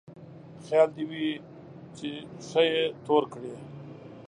خيال دې وي چې ښه يې تور کړې.